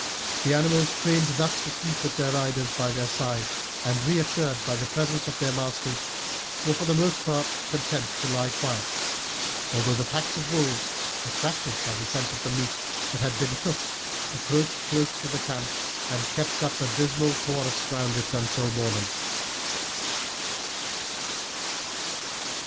The animals, trained thus to sleep with their riders by their side, and reassured by the presence of their masters, were for the most part content to lie quiet, although the packs of wolves, attracted by the scent of the meat that had been cooked, approached close to the camp and kept up a dismal chorus round it until morning.